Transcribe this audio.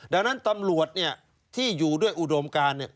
ดังนั้นตำรวจเนี่ยที่อยู่ด้วยอุดมการเนี่ย